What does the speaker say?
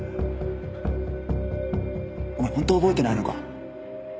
お前本当覚えてないのか？